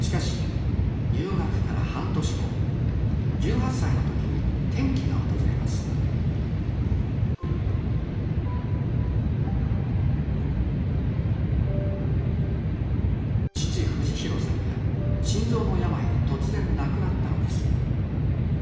しかし入学から半年後１８歳の時に転機が訪れます父・富士広さんが心臓の病で突然亡くなったのです。